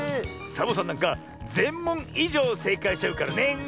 サボさんなんかぜんもんいじょうせいかいしちゃうからね。